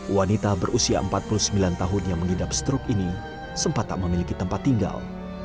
wanita berusia empat puluh sembilan tahun yang mengidap stroke ini sempat tak memiliki tempat tinggal